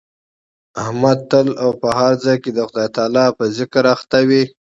احمد تل او په هر ځای کې د خدای تعالی په ذکر بوخت وي.